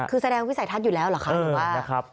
คือแสดงวิสัยทัศน์อยู่แล้วหรอค่ะ